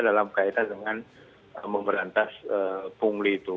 dalam kaitan dengan memberantas pungli itu